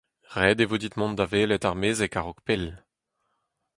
Ret e vo dit mont da welet ar mezeg a-raok pell.